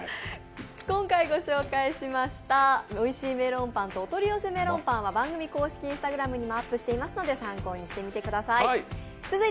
今回ご紹介しましたおいしいメロンパンとお取り寄せメロンパンは番組公式Ｉｎｓｔａｇｒａｍにもアップしていますので参考にしてみてください。